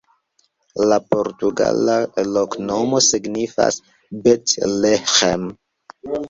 La portugala loknomo signifas: Bet-Leĥem.